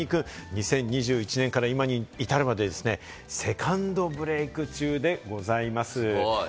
２０２１年から今に至るまでセカンドブレイク中でございます。